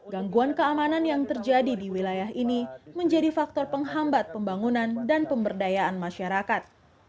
gangguan keamanan yang terjadi di wilayah ini menjadi faktor penghambat pembangunan dan pemberdayaan masyarakat